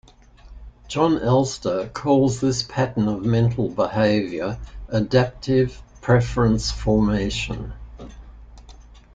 Jon Elster calls this pattern of mental behaviour "adaptive preference formation".